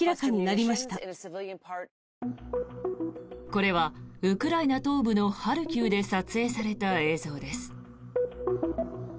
これは、ウクライナ東部のハルキウで撮影された映像です。